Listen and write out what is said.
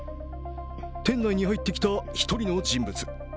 店内に入ってきた一人の人物。